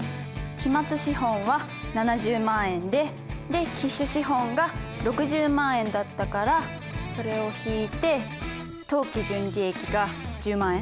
期末資本は７０万円で期首資本が６０万円だったからそれを引いて当期純利益が１０万円？